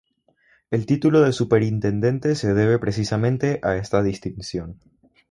El título de superintendente se debe precisamente a esta distinción.